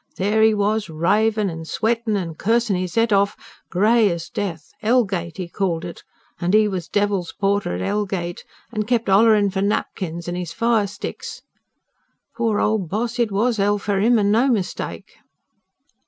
There he was, ravin' and sweatin' and cursin' his head off, grey as death. Hell gate, he called it, said he was devil's porter at hell gate, and kept hollerin' for napkins and his firesticks. Poor ol' boss! It WAS hell for him and no mistake!"